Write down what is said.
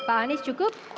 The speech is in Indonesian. pak anies cukup